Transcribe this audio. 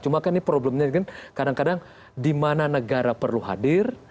cuma kan ini problemnya kadang kadang dimana negara perlu hadir